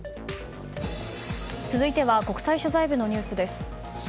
続いては国際取材部のニュースです。